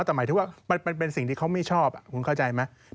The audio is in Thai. แต่หมายถึงว่ามันเป็นสิ่งที่เขาไม่ชอบคุณเข้าใจไหม